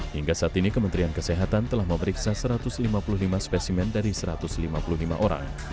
hingga saat ini kementerian kesehatan telah memeriksa satu ratus lima puluh lima spesimen dari satu ratus lima puluh lima orang